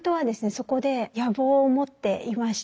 そこで野望を持っていました。